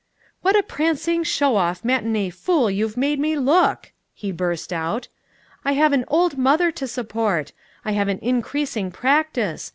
"What a prancing, show off, matinée fool you've made me look!" he burst out. "I have an old mother to support. I have an increasing practice.